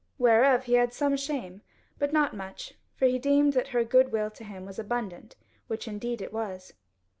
Whereof he had some shame, but not much, for he deemed that her goodwill to him was abundant, which indeed it was.